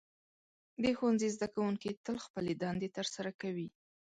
د ښوونځي زده کوونکي تل خپلې دندې ترسره کوي.